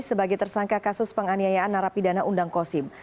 sebagai tersangka kasus penganiayaan narapidana undang kosim